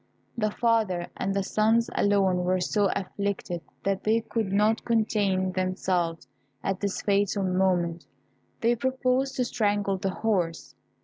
The father and the sons alone were so afflicted that they could not contain themselves at this fatal moment. They proposed to strangle the horse.